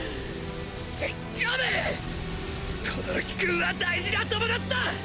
轟くんは大事な友達だ！